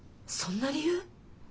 そんな理由？